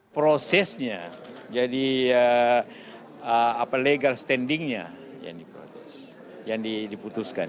prosesnya jadi legal standingnya yang diputuskan